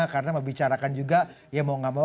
karena membicarakan juga ya mau nggak mau